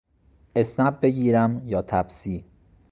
اسنپ بگیرم یا تپسی؟